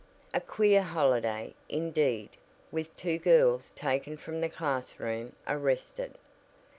A queer holiday, indeed, with two girls taken from the classroom arrested!